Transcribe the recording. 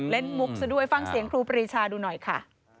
มุกซะด้วยฟังเสียงครูปรีชาดูหน่อยค่ะ